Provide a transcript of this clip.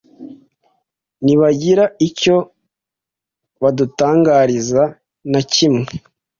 ntibagira icyo badutangariza nakimwe